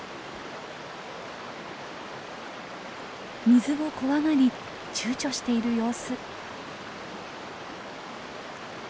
水を怖がりちゅうちょしている様子。